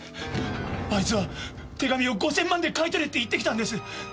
あいつは手紙を５千万で買い取れって言ってきたんです！